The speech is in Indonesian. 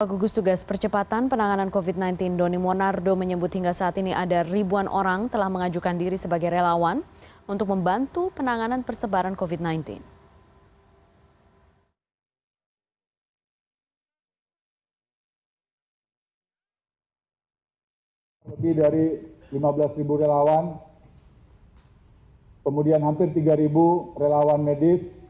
pegugus tugas percepatan penanganan covid sembilan belas doni monardo menyebut hingga saat ini ada ribuan orang telah mengajukan diri sebagai relawan untuk membantu penanganan persebaran covid sembilan belas